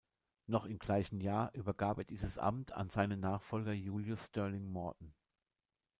Noch im gleichen Jahr übergab er dieses Amt an seinen Nachfolger Julius Sterling Morton.